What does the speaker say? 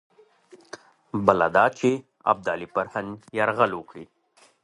بله دا چې ابدالي پر هند یرغل وکړي.